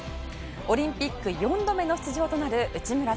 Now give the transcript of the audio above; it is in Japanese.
オリンピック４度目の出場となる内村選手。